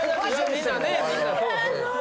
みんなねみんなそうそう。